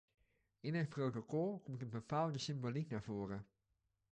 In het protocol komt een bepaalde symboliek naar voren.